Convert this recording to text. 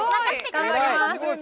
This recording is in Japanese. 頑張ります